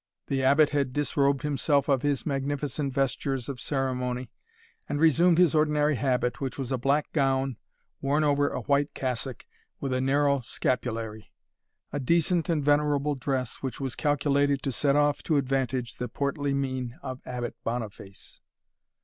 The Abbot had disrobed himself of his magnificent vestures of ceremony, and resumed his ordinary habit, which was a black gown, worn over a white cassock, with a narrow scapulary; a decent and venerable dress, which was calculated to set off to advantage the portly mien of Abbot Boniface.